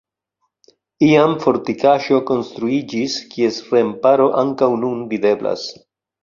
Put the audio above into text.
Iam fortikaĵo konstruiĝis, kies remparo ankaŭ nun videblas.